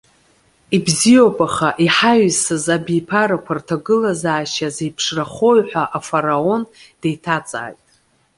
Ибзиоуп, аха иҳаҩсыз абиԥарақәа рҭагылазаашьа зеиԥшрахои?- ҳәа Афараон деиҭаҵааит.